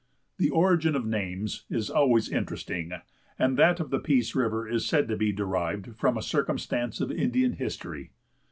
The origin of names is always interesting, and that of the Peace River is said to be derived from a circumstance of Indian history.